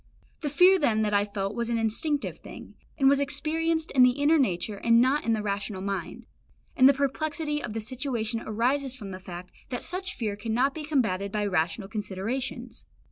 The fear then that I felt was an instinctive thing, and was experienced in the inner nature and not in the rational mind; and the perplexity of the situation arises from the fact that such fear cannot be combated by rational considerations.